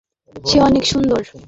সে অনেক সুন্দর।